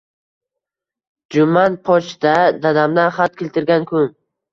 Juman «pochta» dadamdan xat keltirgan kun